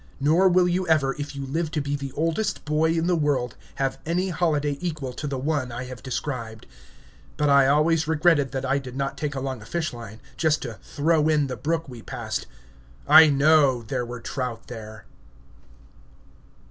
Nor will you ever, if you live to be the oldest boy in the world, have any holiday equal to the one I have described. But I always regretted that I did not take along a fishline, just to "throw in" the brook we passed. I know there were trout there.